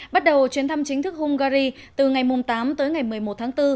bắt đầu chuyến thăm chính thức hungary từ ngày tám tới ngày một mươi một tháng bốn